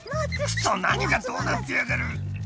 くそっ何がどうなってやがる！